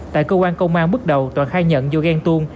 tại cơ quan công an bước đầu toàn khai nhận do ghen tuôn